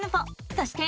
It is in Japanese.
そして。